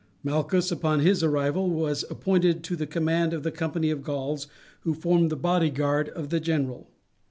Malchus, upon his arrival, was appointed to the command of the company of Gauls who formed the bodyguard of the general.